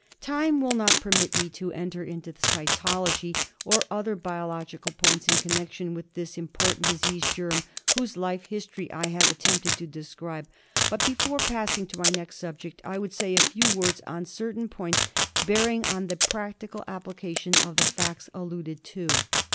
Time will not permit me to enter into the cytology or other biological points in connection with this im portant disease germ whose life history I have attempted to describe, but before passing to my next subject I would say a few words on certain points bearing on the practical application of the facts alluded to.